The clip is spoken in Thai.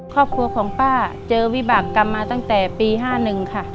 ครอบครัวของป้าเจอวิบากรรมมาตั้งแต่ปี๕๑ค่ะ